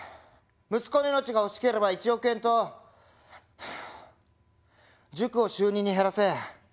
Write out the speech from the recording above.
息子の命が欲しければ１億円とはあ塾を週２に減らせ。